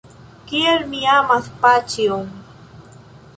Kiel mi amas paĉjon!